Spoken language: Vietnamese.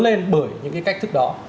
lên bởi những cái cách thức đó